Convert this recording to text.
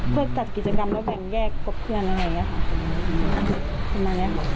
เพื่อการจัดกิจกรรมและแบ่งแยกกับเพื่อนอะไรอย่างนี้ค่ะ